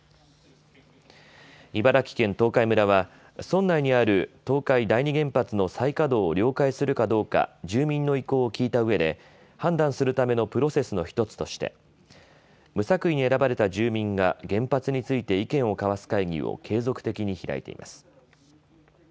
茨城県東海村は村内にある東海第二原発の再稼働を了解するかどうか住民の意向を聞いたうえで、判断するためのプロセスの１つとして無作為に選ばれた住民が原発について意見を交わす会議を継続的に開いています。